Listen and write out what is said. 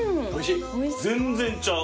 全然ちゃう。